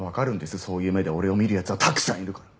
そういう目で俺を見る奴はたくさんいるから。